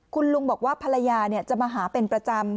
คุณลุงบอกว่าภรรยาจะมาหาเป็นประจำ